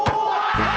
あ！